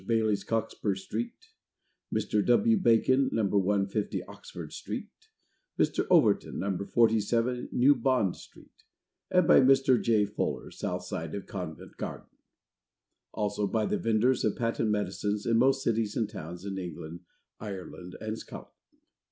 BAILEY'S, Cockspur street; Mr. W. BACON, No. 150, Oxford street; Mr. OVERTON, No. 47, New Bond street; and by Mr. J. FULLER, South Side of Covent Garden. Also by the Venders of Patent Medicines in most Cities and Towns, in England, Ireland, and Scotland.